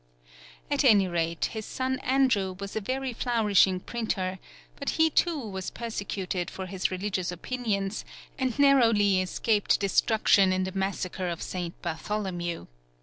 At any rate, his son Andrew was a very flourishing printer; but he too was persecuted for his religious opinions, and narrowly escaped destruction in the Massacre of St. Bartholomew.